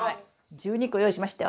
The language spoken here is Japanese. １２個用意しましたよ。